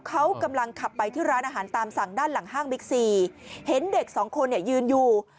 เขากำลังขับไปที่ร้านอาหารตามสั่งด้านหลังห้างบิ๊กซีเห็นเด็กสองคนเนี่ยยืนอยู่